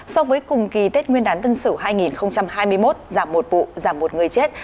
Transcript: so với cùng kỳ tết nguyên đán tân sửu hai nghìn hai mươi một giảm một vụ giảm một người chết